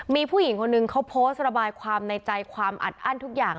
มีผู้หญิงคนนึงเขาโพสต์ระบายความในใจความอัดอั้นทุกอย่าง